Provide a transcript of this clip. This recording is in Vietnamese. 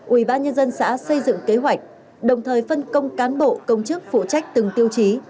ubnd xã xây dựng kế hoạch đồng thời phân công cán bộ công chức phụ trách từng tiêu chí